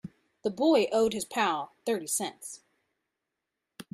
The boy owed his pal thirty cents.